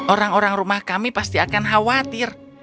orang orang rumah kami pasti akan khawatir